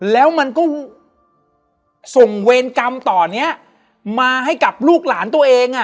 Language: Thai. แล้วมันก็ส่งเวรกรรมต่อเนี้ยมาให้กับลูกหลานตัวเอง